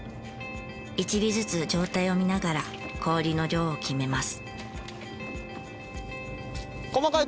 一尾ずつ状態を見ながら氷の量を決めます。